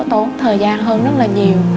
sẽ đỡ tốn thời gian hơn rất là nhiều